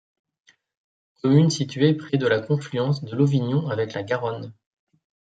Commune située près de la confluence de l'Auvignon avec la Garonne.